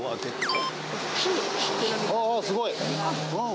あっすごい！